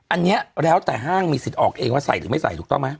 อันนี้แล้วแต่ห้างมีสิทธิ์ออกเองว่าใส่หรือไม่ใส่ถูกต้องไหม